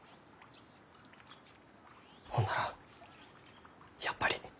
ほんならやっぱり。